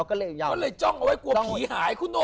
ก็เลยจ้องเอาไว้กลัวผีหายคุณหนุ่ม